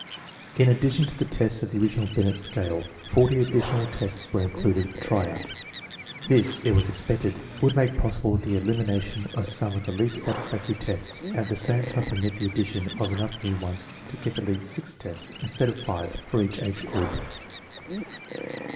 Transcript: In addition to the tests of the original Binet scale, 40 additional tests were included for try out. This, it was expected, would make possible the elimination of some of the least satisfactory tests, and at the same time permit the addition of enough new ones to give at least six tests, instead of five, for each age group.